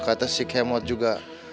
kata si kmw juga